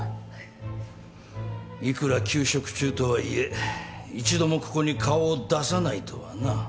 いくら休職中とはいえ一度もここに顔を出さないとはな。